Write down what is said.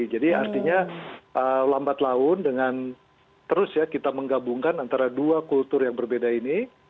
jadi artinya lambat laun dengan terus ya kita menggabungkan antara dua kultur yang berbeda ini